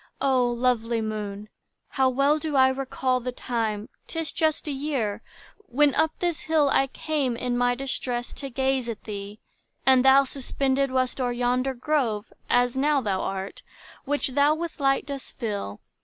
O lovely moon, how well do I recall The time,—'tis just a year—when up this hill I came, in my distress, to gaze at thee: And thou suspended wast o'er yonder grove, As now thou art, which thou with light dost fill.